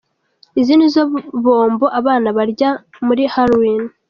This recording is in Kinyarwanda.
Izi nizo bombo abana barya muri Halloween.